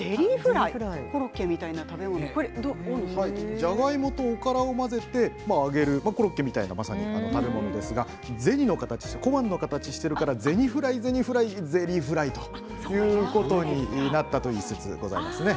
じゃがいもとおからを混ぜて揚げるコロッケみたいな食べ物ですが銭の形、小判の形をしてるから銭フライ、ゼニフライゼリーフライという説です。